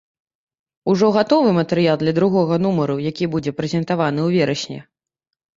Ужо гатовы матэрыял для другога нумару, які будзе прэзентаваны ў верасні.